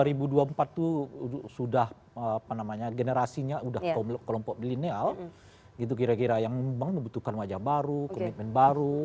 dua ribu dua puluh empat itu sudah apa namanya generasinya sudah kelompok milenial gitu kira kira yang memang membutuhkan wajah baru komitmen baru